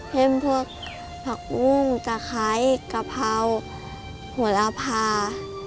เพิ่มพวกผักมุ่งตาไคร้กะเพราหัวราพา